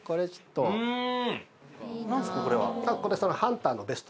うん。